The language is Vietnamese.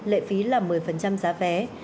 lệ phí là một mươi giá vé